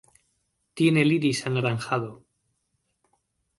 Tiene el iris anaranjado.